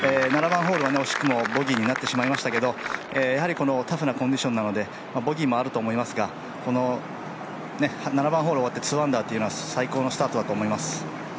７番ホールは惜しくもボギーになってしまいましたけど、タフなコンディションなのでボギーもあると思いますが７番ホール終わって２アンダーというのは最高のスタートだと思います。